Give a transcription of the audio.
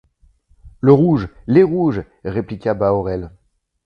Le rouge, les rouges! répliqua Bahorel.